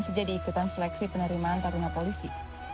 masih jadi ikutan seleksi penerimaan taruna polisi